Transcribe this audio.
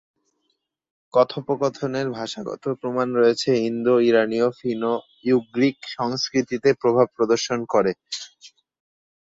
কথোপকথনের ভাষাগত প্রমাণ রয়েছে, ইন্দো-ইরানীয়দের ফিনো-ইউগ্রিক সংস্কৃতিতে প্রভাব প্রদর্শন করে।